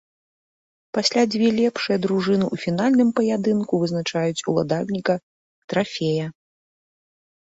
Пасля дзве лепшыя дружыны ў фінальным паядынку вызначаць уладальніка трафея.